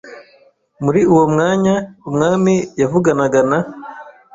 Muri uwo mwanya umwami yavuganaga na